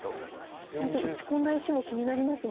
とりあえず打ち込んだ石も気になりますね。